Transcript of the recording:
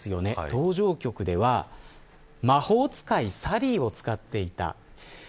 登場曲では魔法使いサリーを使っていた。